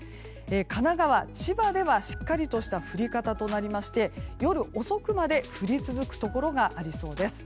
神奈川、千葉ではしっかりとした降り方となりまして夜遅くまで降り続くところがありそうです。